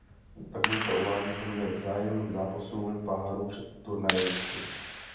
Tabulka uvádí poměr vzájemných zápasů párů před Turnajem mistrů.